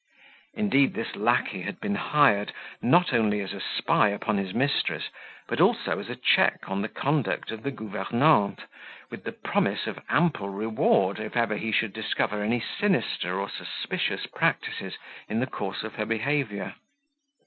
Indeed this lacquey had been hired, not only as a spy upon his mistress, but also as a check on the conduct of the governante, with promise of ample reward if ever he should discover any sinister or suspicious practices in the course of her behaviour.